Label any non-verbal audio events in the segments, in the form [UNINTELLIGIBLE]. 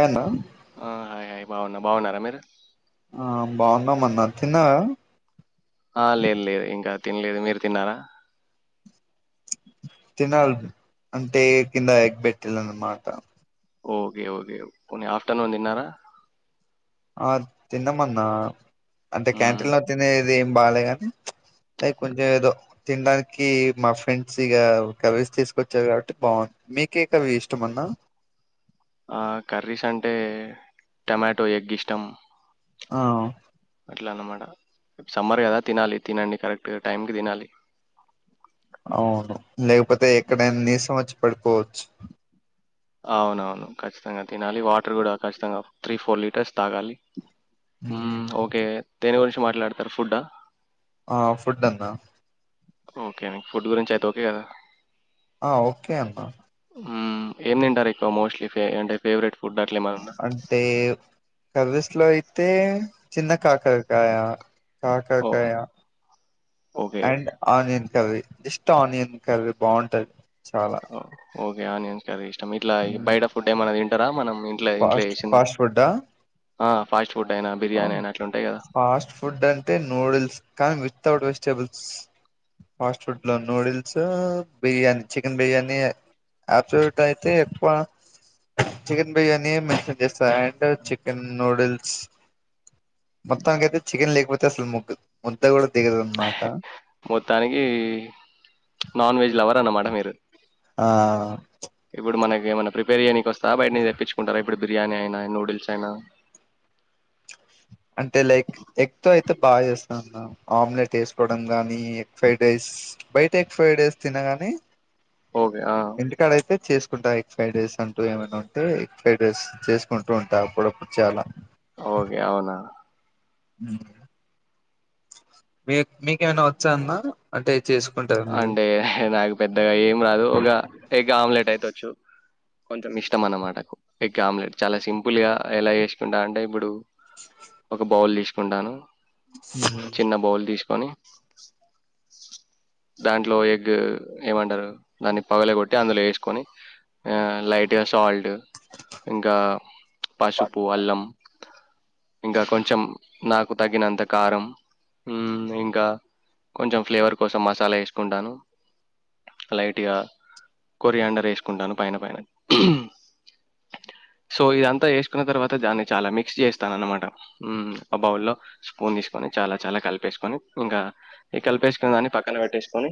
ఆ హా ఆ హాయ్ హాయ్ బాగున్న బాగున్నారా మీరు ఆ బాగున్నా మన్న తిన్నా ఆ లేదు లేదు ఇంకా తినలేదు మీరు తిన్నారా తినాలదు అంటే ఏ కింద ఎగబెట్టిల్న్నమాట ఓకే ఓకే పోనీ ఆఫటర్నూన్ తిన్నారా ఆ తిన్నమన్నా అంతే హ్మ్. క్యాంటీన్ లా తిన్నె ఇది ఏం బాేగాని లైక్ కొంచెం ఏదో తినడానికి మా ఫ్రెండ్స్ ఇక కర్రీస్ తీసుకొచ్చాారు కాబట్టి బాగు మీకే కవి ఇష్టం అన్నా ఆ కర్రీస్ అంటే టమాటో ఎగ్ ఇష్టం ఆ అట్లా అన్నమాట. సమ్మర్ కదా తినాలి తినండి కరెక్ట్ టైంకి తినాలి అవును లేకపోతే ఎక్కడైనా నీరాసం వచ్చి పడి పోచ్ అవునవును ఖచ్చితంగా తినాలి వాటర్ కూడా ఖచ్చితంగా త్రీ ఫోర్ లీటర్స్ తాగాలి హ హ్మ్. ఓకే. దేని గురించి మాట్లాడతారు ఫుడ్డా ఆ ఫుడ్ందన ఓకే నకు ఫుడ్ గురించి అయితే ఓకే కదా ఆ ఓకే అన్నా ఏమి తింటారు ఎక్కువ మోస్ట్లీ అంటే ఫేవరెట్ ఫుడ్ అట్లేమన్నుందా? అంటే కర్రీస్ లో అయితే చిన్న కాకరకాయ ఓహ్! కాకరకాయ ఓకే. అండ్ ఆనియన్ కర్రీ ఇస్ట ఆనియన్ కర్రీ బాగుంటాది చాలా ఏం ఏం కర్రీ ఇట్లా బయట ఫుడ్ ఏమన్నా తిన్ రా మనం ఇంట్ల ఫాస్ట్ ఫాస్ట్ ఫుడ్డ ఫస్ట్ ఆ ఫాస్ట్ ఫుడ్ అంటే నూడిల్స్ కానీ వితౌట్ వెజిటబుల్స్ ఫాస్ట్ ఫుడ్ లో నూడిల్స్ బిర్యానీ చికెన్ బిర్యానీ ఆ [UNINTELLIGIBLE] ప్ట్ అయితే ఎక్కువ చికెన్ బిర్యానీ మెన్షన్ చేస్త అండ్ చికెన్ నూడిల్స్ మొత్తనికీ అయితే చికెన్ లేకపోతే అసలు ముద్ ముద్ద కూడా దిగదు అన్నమాట మొత్తానికి నాన్ వెజ్ లవర్ అన్న మాట మీరు ఆ మనకి ఎమన్నా ప్రిపేర్ చేయడానికి వస్తు సాయని [UNINTELLIGIBLE] ది కుంటార ఇప్పుడు బిర్యానీ అయినా నూడిల్స్ అయినా అంటే లైక్ ఎగ్ తో అయితే బాగా చేస్తానన్నా ఆమ్లెట్ వేసుకోవడం గాని ఎగ్ ప్రైడ్ రైస్ బయట ఎగ్ ఫ్రైడ్ రైస్ తినగాని ఓకే. ఆ! ఇంటికాడ అయితే చేస్ డ ఫ్రైడ్ రైస్ అంటూ ఏమైనా ఉంటే ఎగ్ ఫ్రైడ్ రైస్ చేసుకుంటూ ఉంటా అప్పుడప్పుడు చాలా ఓకే అవునా వున మీ మీకేమైనా వచ్చా అన్న అంటే చేసుకుంటారు మీరు అంటే నాకు పెద్దగా ఏం రాదు ఒక ఎగ్ ఆమ్లెట్ అయితే వచ్చు కొంచం ఇష్టం అన్నమాట ఎగ్ ఆమ్లెట్ చాలా సింపుల్ గా ఎలా వేసుకుంటా అంటే ఇప్పుడు ఒక బౌల్ తీస్ కుంటాను చిన్న బౌల్ తీసు తను దాంట్లో ఎగ్ ఏమంటారు దాన్ని పగల కొట్టి అందులో వేసుకొని లైట్గా సాల్ట్ ఇంకా పసుపు అల్లం ఇంకా కొంచెం నాకు తగినంత కారం ఇంకా కొంచెం ఫ్లేవర్ కోసం మ చాలా వేసుకుంటాను లైట్గా కొరి అండర్ వేసుకుంటాను పైన పైన సో ఇదంతా వేసుకున్న తర్వాత దాన్ని చాలా మిక్స్ చేస్తాను అనమాట ఆ బౌ లో స్పూన్ తీసుకొని చాలా చాలా కలిపేసుకొని ఇంకా ఈ కలిపేసుకుని దాన్ని పక్క పక్కన పెట్టేసుకొని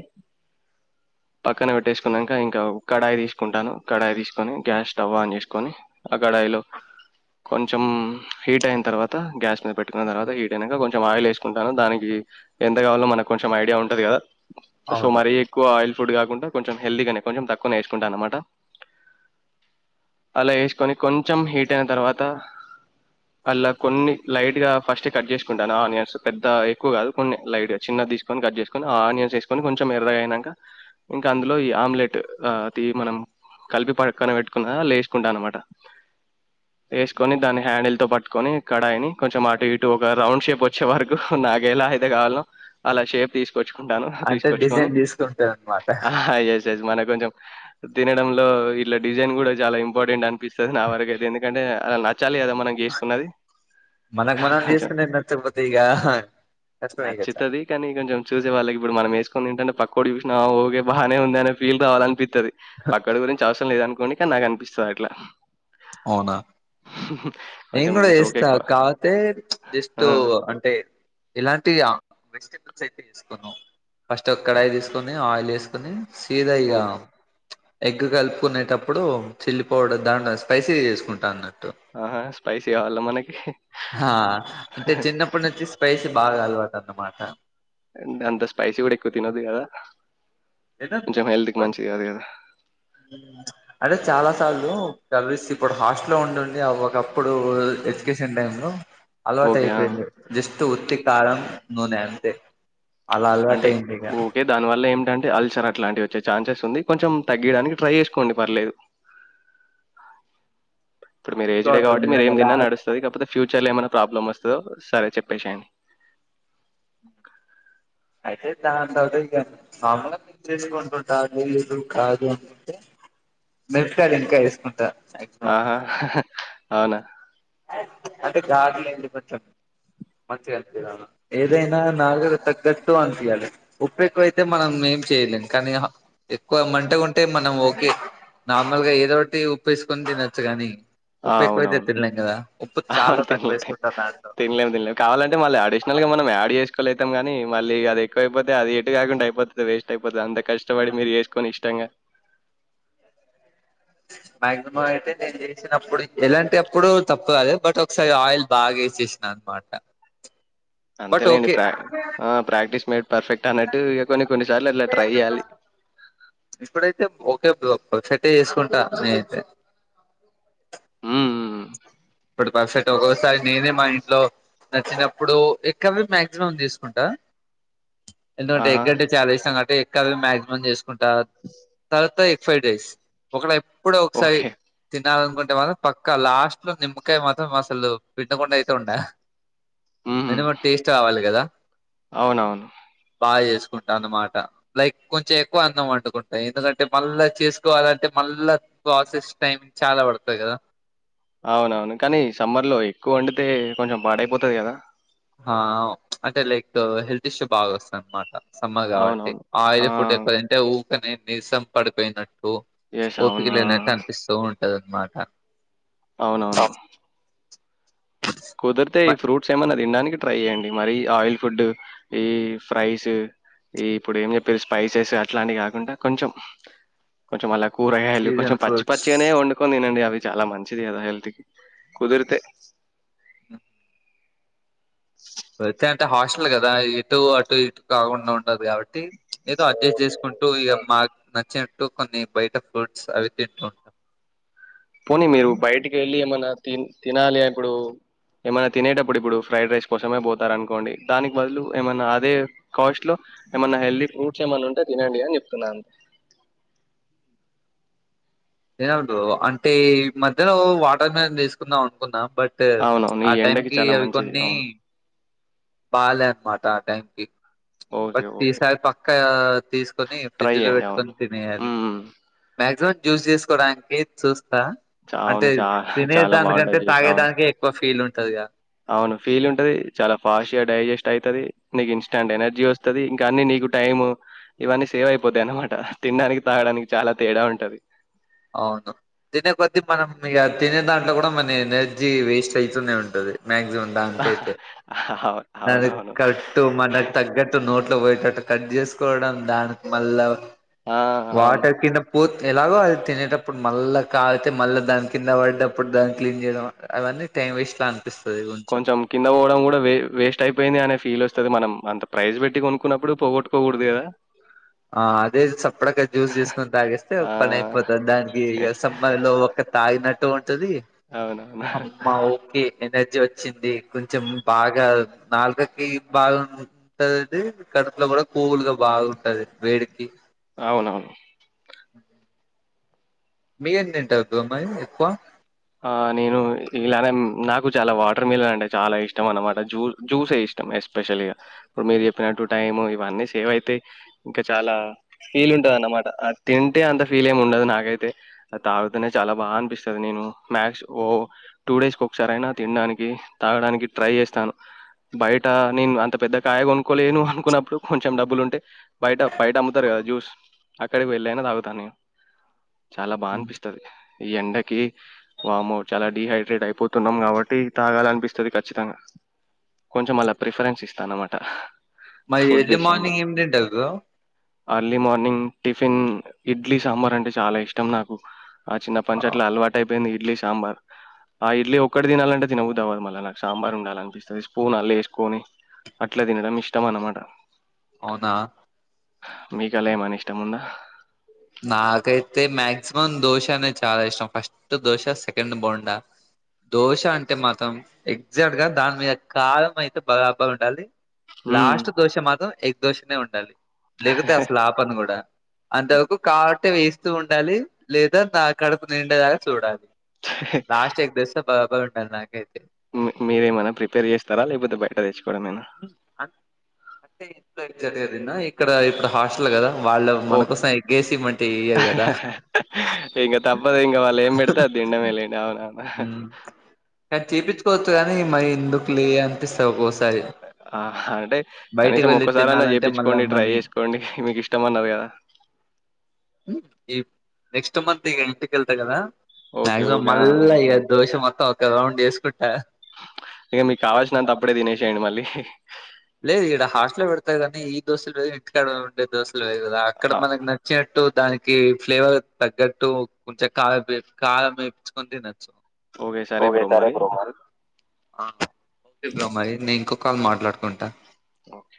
పక్కన పెట్టేసుకున్నాక ఇంకా కడాయి తీసుకుంటాను కడాయి తీసుకొని గ్యాస్ స్టవ్ ఆన్ చేసుకొని ఆ కడాయిలో కొంచెం హీట్ అయిన తర్వాత గ్యాస్ మీద పెట్ట దాని తర్వాత హీట్అయినాంక కంచెం ఆయిల్ వేసుకుంటాను దానికి ఎంత కావాలో మనకు కొంచెం ఐడియా ఉంటాది కదా సో అవును మరీ ఎక్కువ ఆయిల్ ఫుడ్ కాకుంటే కొంచెం హెల్తీ గానే కొంచెం తక్కువ నే వేసుకుంటా అనమాట అలా వేసుకొని కొంచెం హిట్ అయిన తర్వాత అలా కొన్ని లైట్ గా ఫస్ట్ కట్ చేసుకుంటానా ఆనియన్స్ పెద్ద ఎక్కువ కాదు కొన్ని లైట్ గా చిన్నది తీసుకొని కట్ చేసుకొని ఆనియ ొని కొంచెం ఎరగానాక ఇంకా అందులో ఈ ఆమ్లెట్ మనం కలిపి పక్కన పెట్టుకున్న లేసుకుంటా అనమాట వసుకొని దాని హ్యాండిల్ తో పట్టుకొని కడాయిని కొంచెం అటు ఇటు ఒక రౌండ్ షేప్ వచ్చే వరకు నాకు ఎలా అయితే కావో అలా షేప్ తీసుకొచ్చుకుంట అంటే డిజైన్ తీసుకుంటంది అన్నమాట ఎస్ ఎస్ మనకు కొంచెం తినడంలో ఇట్లా డిజైన్ కూడా చాలా ఇంపార్టెంట్ అనిపిస్తుంది నా వరకు అయితే ఎందుకంటే అలా నచ్చ న చాలి కదా మనం చేసుకున్నది మనకు మనం కొంచెం చేసుకునేది నచ్చకపోతే ఇక కష్టమే ఇక చాలా నచ్చుతుది కానీ కొంచం చూసే వాళ్ళకి ఇప్పుడు మనం వ అంటే పక్క చూసినా ఓకే బాగానే ఉంది అని ఫీల్ రావాలి కావాలనిపి ది పక్కడు గురించి అవసం లేదానికి కొనిక నాకు అనిపిస్తుంది అట్లా అవునా [UNINTELLIGIBLE] నేను కూడా సోక్ చేస్తా ఎక్కువ. కాకపోతే జస్ట్ ఆ! అంటే ఇలాంటి వెజిటబుల్స్ అయితే వేసుకున్నాం ఫస్ట్ ఒక కడాయి తీసుకొని ఆయిల్ వేసుకొని సీదా ఇగ ఓహ్! ఎగ్ కలుపుకునేటప్పుడు చిల్లీ పౌడర్ దాంట్లో స్పైసీ చేసుకుంటానును ఆహా పైసి కావాలా మనకి సి బాగా అలవాటు అన్న మాట అ అంత స్పైసీ కూడా ఎక్కువ తినదు కదా ఏదే కొంచెం హెల్త్‌కి బట్ మంచిది కాదు కదా! అంటే చాలా లు కలస్త ఇప్పుడు హాస్ట లో ఉంండి ఒక అప్పుడు ఎడ్యుకేషన్ టైమ్ లో అలవాటు ఓకే. ఆ! అయిపోయింది జస్ట్ ఉత్తి కారం నూనె అంతే అలా అలవాటు అంటే అయింది ఇక ఓకే దానివల్ల ఏంటంటే అల్సర్ అట్లాంటివి వచ్చే ఛాన్సెస్ ఉంది కొంచెం తగ్గడానికి ట్రై చేసుకోండి పర్లేదు ఇప్పుడు మీ సో ఏజ్డే అది కాట్టి మీరు ఏ నిజంగా అలా తన్నా నడుస్తుంది కాకపోతే ఫ్యూర్ చాల ఏమైనా ప్రాబ్లమ్ వస్తుందో సరే చెప్పేసేయండి అయితే దాని త ఇగా మామూలుగా చేసుకుంటుంటా లేదు కాదు అంటే మిరపకాయలు ఇంకా వేసుకుంటా మాక్సిమం ఆహా అవునా అంటే డి కొంచెం మంచిగాపి ఏదైనా నగు తగ్గట్టు అనిపియాలి ఉప్పు ఎక్కువైతే మనం ఏం చేయలేం కానీ ఎక్కువ మంటగా ఉంటే మనం ఓకే నార్మల్గా ఏదో ఒకటి ఉప్పు వేసుకొని తినొచ్చు కాని ఉప్పు ఎక్కువ అయితే తినలేం కదా చాలా లే తక్కువ వేసుకుంటాను దాంట్లో తినలేం తినలేం కావాలంటే మళ్ళీ అడిషనల్ గా మనం యాడ్ చేసు ఎక్వల్ అవుాం కానీ మళ్ళ అదిక్కువయితే అది ఎటు కాకుండా అయిపోతుంది వేస్ట్ అయిపోతు అంతా కష్టపడి మీరు చేసుకొని ఇష్టంగా మాక్సిమం అయితే నేను చేసినప్పుడు ఎలాంటి అప్పుడు తప్పు కాదు బట్ ఒకసారి ఆయిల్ బాగా వేసేసిన అనమాట బట్ అంతేలేండి ఓకే ప్ర ప్రాక్టీస్ మేట్ పర్ఫెక్ట్ అన్నట్టు ఇక కొన్ని కొన్నిసార్లు అలా ట్రై చేయాలి ఇప్పుడైతే ఓకే బ్రో పెర్ఫెక్ట్ చేసుకుంటా నేనయితే హ్మ్మ్ ఎప్పుడూ పర్ఫెక్ట్ ఒక్కోసారి నేనే మా ఇంట్లో నచ్చినప్పుడు ఎగ్ కర్రీ మాక్సిమం చే సుకుంటా ఎందుకంటే ఆహా ఎగ్ అంటే చాలా ఇష్టం కాబట్టి ఎగ్ అది మ్యాక్సిమం చేసు ఉంటా తర్వాత ఫైవ్ డేస్ ఒకడే ఇప్పుడు ఒకసారి ఓకే తి తినాలనుకుంటే మాత్రం పక్క లాస్ట్ లో నిమ్ మకాయ మాత్రం అసలు పిండకుండా అయితే ఉండ హ్మ్ మినిమం టేస్ట్ రావాలి కదా అవునవును బాగా చేసుకుంటా అన్నమాట లైక్ కొంచెం ఎక్కువ అన్నం వండుకొంట ఎందుకంటే మళ్ళా చేసుకోవాలంటే మళ్ళా ప్రాసెస్ టైమ్ చాలా పడుతాది కదా అవునవును కానీ సమ్మర్ లో ఎక్కువ వండితే కొంచెం పాడైపోతది కదా ఆ అంటే లైక్ హెల్త్ ఇష్యూ బాగా వస్తుంది అనమాట సమ్మర్ కాబట్టి అవునవును. ఆ! ఆయిల్ ఫుడ్ ఎక్కువ తింటే ఉ నిజం పడిపోయిందిండి యెస్ అవును. ఓపిక ఆ! లేనట్టు అనిపిస్తా ఉంట మాట అవునవును కుదిరితే ఈ ఫ్రూట్స్ ఏమైన్నా తినడానికి ట్రై చేయండి మరి ఆయిల్ ఫుడ్ ఈ ఫ్రైస్ ఈ ఇప్పుడు ఏం చెప్పారు స్పైసెస్ అట్లాంటివి కాకుండా కొంచెం కొంచెం అలా కూరగాయలు సీజన్ కొంచెం పచి ఫ్రూట్స్ పచ్చిగానే వండుకొని తినండి అవి చాలా మంచిది కదా హెల్త్ కి కుదిరితే అయితే అంటే హాస్టల్ కదా ఇటు అటు ఇటు కాకుండా ఉంట ఉండదు కాబట్టి ఏదో అడ్జస్ట్ చేసుకుంటూ ఇక మాకు నచ్చిన రూ కొన్ని బయట ఫ్రూట్స్ అవి తింటూ ఉంటాం పోనీ మీరు బయటికి వెళ్ళి ఏమన్నా త తినాలి ఇప్పుడు ఏమైన్నా తినేటప్పుడు ఇప్పుడు ఫ్రైడ్ రైస్ కోసమే పోతారు అనుకోండి దానికి బదులు ఏమన్నా అదే కాస్ట్ లో ఏమన్నా హెల్దీ ఫ్రూట్స్ ఏమన్నా ఉంటే తినండి అని చెప్తున్నాను ఏమి వద్దు అంటే ఈ మధ్యలో వాటర్ క్యాన్ తీసుకుందాం అనుకునం బట్ అవునవును ఆ ఈ టైం ఎండకి కి చాలా అవి మంచిది కొన్ని అవును బాల అన్నమాట ఆ టైమ్కి ఓకే బట్ ఓకే ఈసారి పక్క తీసుకొని ట్రై ఫ్రిడ్జ్ లో చేయండి. అవును. పెట్టుకొని తినేయాలి హ్మ్. మాక్సిమం జ్యూస్ చేసుకోవడానికి చూ అవును చాల చాలా దానికంటే బాగుంటది చూసా అవును తాగేదానికే ఎక్కువ ఫీల్ ఉంటదిగా అవును ఫీల్ ఉంటది చాలా ఫాస్ట్గా డైజెస్ట్ అవుతుది నీకు ఇన్స్టాంట్ ఎనర్జీ వస్తుంది ఇంకా అన్ని నీకు టైమ్ ఇవన్నీ సేవ్ అయిపోతా అనమాట తినడానికి తాగడానికి చాలా తేడా ఉంటది అవును తినే కొద్ద్దీ మనం ఇక తినే దాంట్లో కూడా మన ఎనర్జీ వేస్ట్ అయితూనే ఉంటది మ్యాక్సిమం దానికైతే అవు ద అవునవును. కట్టు మనకు తగ్గట్టు నోట్లో పోయటట్టు అ కట్ చేసుకోవడం దానికి మళ్ళా ఆ! వాట అవును. కింద పో ఎలాగో అ తినేటప్పుడు మళ్ళా కాలితే మళ్ళా దాని కింద పడేటప్పుడు దాన్ని క్లీన్ చేయడం అవన్నీ టైం వేస్ట్ కొంచెం కింద పోవడం కూడా వ వేస్ట్ అయిపోయింది అనే ఫీల్ వస్తుంది మనం అంత ప్రైజ్ పెట్టి కొనుకున్నప్పుడు పోగొట్టుకోకూడదు కదా ఆ అదే చప్పడాక జ్యూస్ తీసుకొని తాగేస్తే ఆ! పని అయిపోతంది దానికి సమ్మర్ లో ఒక్క తాగినట్టు డి ది అవునవును. అమ్మా ఓకే ఎనర్జీ వచ్చింది కొంచెం బాగా నాలుగకి బాగుంటందిది కడుపులో కూడా కోల్గా బాగుంటది వెడికి అవునవును మీరేం తింటారుతో మరి ఎక్కువ ఆ నేను ఇలానే నాకు చాలా వాటర్ మిలన్ అంటే చాలా ఇష్టం అనమాట జూ జ్యూసే ఇష్టం ఎస్పెషల్గా ఇప్పుడు మీరు చెప్పినట్టు టైం ఇవన్నీ సేవ్ అయితే ఇంకా చాలా ఫీల్ ఉంటది అన్నమాట అది తింటే అంత ఫీల్ ఏమి ఉండదు నాకైతే అ తాగుతేనే చాలా బాగా అనిపిస్తది నేను మ్యాష్ ఓ టూ డేస్కి ఒకసార అయినా తినడానికి తాగడానికి ట్రై చేస్తాను బయట నేను అంత పెద్ద కాయ కొనుకోలేను అనుకున్నప్పుడు కొంచెం డబ్బులు ఉంటే బయట బయట అమ్ముతరు కదా జ్యూస్ అక్కడికి వెళ్ళ అయిన తాగుతాను నేను చాలా బా ఉమ్. అనిపిస్తది ఈ ఎండకి వామ్మో చాలా డిహైడ్రేట్ అయిపోతున్నాం కాబట్టి తాగాల అనిపిస్తది ఖచ్చితంగా కొంచెం అళ్ళ ప్రిఫరెన్స్ ఇస్తానమాట మరి ఎర్లీ మార్నింగ్ ఏమి తింటారు బ్రో టిఫెన్ ఇడ్లీ సాంబార్ అంటే చాలా ఇష్టం నాకు ఆ తిన్నపాటి నుంచి అలవాటు అయిపోయింది ఇడ్లీ సాంబార్ ఆ ఇడ్లీ ఒక్కటి తినలంటే తినబుద్ధి అవ్వదు మళ్ళీ నాకు సాంబార్ ఉండాల అనిపిస్తది స్పూన్ అల ఏసుకొని అట్ల తినడం ఇష్టం అనమాట అవున మీకల ఏమన ఇష్టం ఉందా నాకైతే మాక్సిమం దోశ అనేది చాలా ఇష్టం ఫస్ట్ దోశ సెకండ్ బొండా దోశ అంటే మాత్రం ఎగ్జాక్ట్ గా దాని మీద కారం అయితే బరబర్ ఉంటది మ్మ్ లాస్ట్ దోశ మాత్రం ఎగ్ దోషనే ఉండాలి లేకపోతే అసలు ఆపను గుడా అంతవరకు అట్టే వేస్తూ ఉండాలి లేదా నా కడుపు నిండేలగ చూడాలి లాస్ట్ ఎక్ దోశ బరాబర్ ఉంటాది నాకైతే మీరేమన ప్రిపేర్ చేస్తార లేకపోతే బయట తెచ్చు కోడమేన అన్ అంటే ఇంట్లో అయితే జరిగదిన ఇక్కడ ఇప్పుడు హాస్టల్ కద ఓ గదా. ఇంగ తప్పదు ఇంగ వాళ్ళు ఏం పెడితే అది తినడమే లేటు అవును అవును హ్మ్ కానీ చేపించుకోచ్చు గానీ మరి ఎందుకు లే అనిపిస్తాది ఒక్కోసారి ఆ అంటే బయటికి కనీసం వెళ్ళి ఒక్కసారన తినాలంటే మళ్ళా చెపిచుకోండి ట్రై మనీ చేసుకోండి మీకు ఇష్టం అన్నారు కదా హ్మ్ ఈ నెక్స్ట్ మంత్ ఇగ ఇంటికెళ్త కదా ఓకే. Maximum okay. ఆ! మల్ల ఇగ దోశ మొత్తం ఒక రౌండ్ యేసుకు ఇంగ మీకు కావాల్సినంత అప్పుడే తినేసైండి మళ్ళీ [INAUDIBLE] అట్లే పెడతరు గానీ ఈ దోశలు వేరు ఇంటికాడ ఉండే దోశలు వేరు కదా అక్కడ ఆ! మనకి నచ్చినట్టు దానికి ఫ్లేవర్ తగ్గట్టు కొంచెం కారం కారం మేపించుకొని తినచ్చు ఓకే సరే బ్రో మరి అ ఓకే బ్రో మరి నేన ఇంకో కాలు మాట్లాడుకుంటా ఓకే